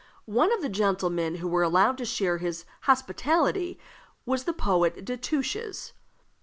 One of the gentlemen who were allowed to share its hospitality was the poet Destouches.